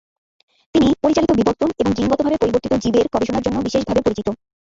তিনি "পরিচালিত বিবর্তন" এবং জিনগতভাবে পরিবর্তিত জীবের গবেষণার জন্য বিশেষভাবে পরিচিত।